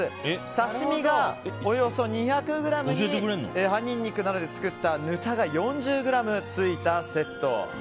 刺し身がおよそ２００ｇに葉ニンニクなどで作ったぬたが４０ｇついたセット。